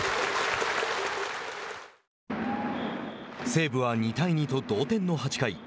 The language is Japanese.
西武は、２対２と同点の８回。